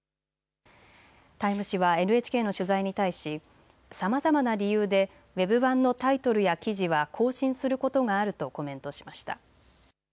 タイム誌はＮＨＫの取材に対しさまざまな理由でウェブ版のタイトルや記事は更新することがあるとコメントしました。